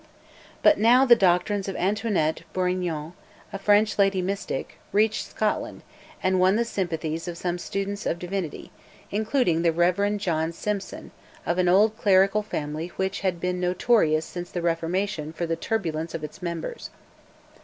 But now the doctrines of Antoinette Bourignon, a French lady mystic, reached Scotland, and won the sympathies of some students of divinity including the Rev. John Simson, of an old clerical family which had been notorious since the Reformation for the turbulence of its members.